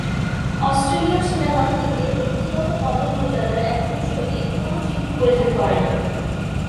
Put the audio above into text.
অস্ট্রেলীয় সেনাবাহিনীতে, ব্যক্তিগত পদমর্যাদার একজন সৈনিক কোন চিহ্ন পরিধান করেন না।